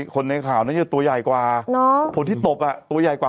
คนในข่าวน่าจะตัวใหญ่กว่าคนที่ตบตัวใหญ่กว่า